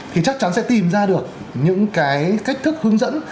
thì chắc chắn sẽ tìm ra được những cái cách thức hướng dẫn